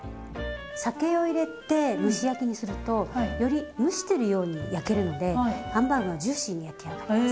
酒を入れて蒸し焼きにするとより蒸してるように焼けるのでハンバーグがジューシーに焼き上がります。